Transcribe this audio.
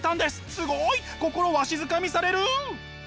すごい！心わしづかみされる！